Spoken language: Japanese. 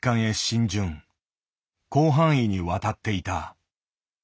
広範囲に渡っていた。